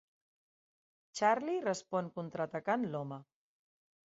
Charlie respon contraatacant l'home.